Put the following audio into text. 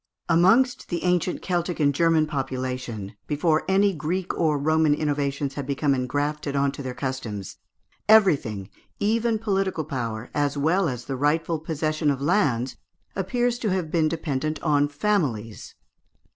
Amongst the ancient Celtic and German population, before any Greek or Roman innovations had become engrafted on to their customs, everything, even political power as well as the rightful possession of lands, appears to have been dependent on families.